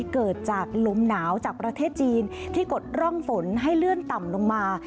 เกิดจากลมหนาวจากประเทศจีนที่กดร่องฝนให้เลื่อนต่ำลงมา